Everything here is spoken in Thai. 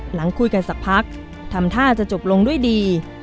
หลังคุยกันสักพักทำท่าจะจบลงด้วยดี